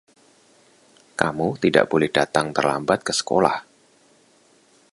Kamu tidak boleh datang terlambat ke sekolah.